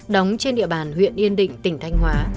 đóng trên địa bàn huyện yên định tỉnh thanh hóa